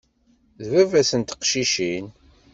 D baba-s n teqcicin.